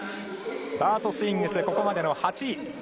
バート・スウィングスここまでの８位。